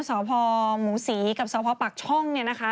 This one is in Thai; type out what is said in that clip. สพหมูศรีกับสพปักช่องเนี่ยนะคะ